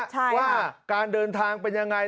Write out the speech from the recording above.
ใช่ว่าการเดินทางเป็นยังไง